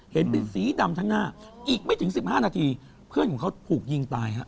เห็นเป็นสีดำทั้งหน้าอีกไม่ถึง๑๕นาทีเพื่อนของเขาถูกยิงตายฮะ